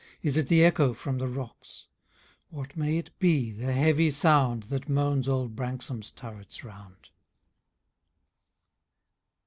Is it the echo from the rocks ? What may it be, the heavy sound. That moans old Branksome^s turrets round